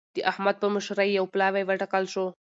د احمد په مشرۍ يو پلاوی وټاکل شو.